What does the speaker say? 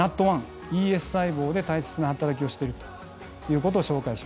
ＮＡＴ１ＥＳ細胞で大切な働きをしてるということを紹介しました。